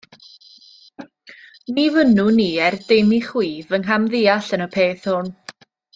Ni fynnwn i er dim i chwi fy nghamddeall yn y peth hwn.